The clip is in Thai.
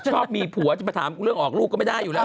ชอบมีผัวจะมาถามเรื่องออกลูกก็ไม่ได้อยู่แล้ว